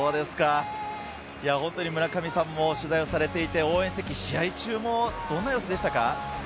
本当に村上さんも取材をされていて応援席、試合中もどんな様子でしたか？